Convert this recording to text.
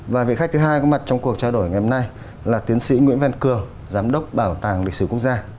và vị khách thứ hai có mặt trong cuộc trao đổi ngày hôm nay là tiến sĩ nguyễn văn cường giám đốc bảo tàng lịch sử quốc gia